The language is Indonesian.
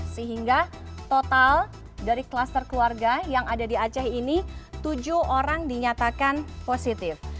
sehingga total dari kluster keluarga yang ada di aceh ini tujuh orang dinyatakan positif